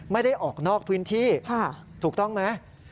ไม่ได้ออกนอกพื้นที่ถูกต้องไหม